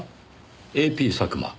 ＡＰ佐久間。